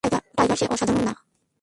Tiger, সে অসাধারণ না?